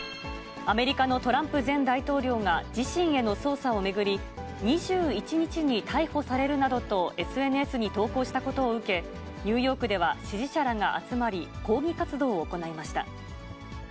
アメリカのトランプ前大統領が、自身への捜査を巡り、２１日に逮捕されるなどとＳＮＳに投稿したことを受け、ニューヨークでは支持者らが集まり、抗議活動を行いました。